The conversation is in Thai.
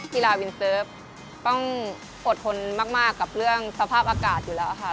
กีฬาวินเซิร์ฟต้องอดทนมากกับเรื่องสภาพอากาศอยู่แล้วค่ะ